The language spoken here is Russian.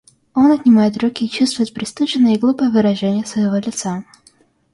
Он отнимает руки и чувствует пристыженное и глупое выражение своего лица.